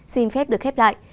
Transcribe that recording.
xin phép được khép lại